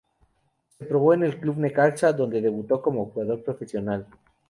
Se probó en el Club Necaxa, donde debutó como jugador profesional.